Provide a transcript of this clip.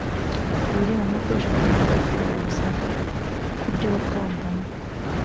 ibirebana no gukoresha uburenganzira bwawe urasabwa kubyotondamo